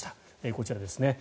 こちらですね。